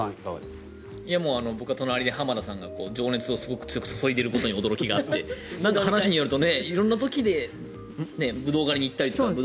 僕は隣で浜田さんが情熱を強く注いでいることに驚きがあって話によると色んな時にブドウ狩りに行ったりとか。